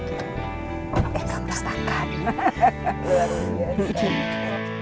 eh nggak usah kaget